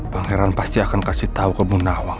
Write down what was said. pangeran pasti akan kasih tau ke bu nawang